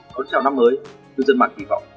xin chào năm mới dân mạng kỳ vọng